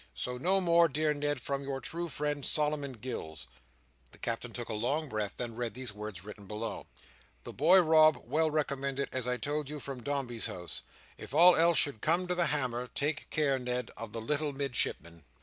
So no more, dear Ned, from your true friend, Solomon Gills.'" The Captain took a long breath, and then read these words written below: "'The boy Rob, well recommended, as I told you, from Dombey's House. If all else should come to the hammer, take care, Ned, of the little Midshipman.